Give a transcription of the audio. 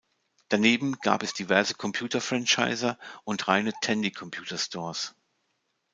Daneben gab es diverse Computer-Franchiser und reine Tandy-Computer-Stores.